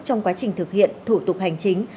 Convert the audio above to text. trong quá trình thực hiện thủ tục hành chính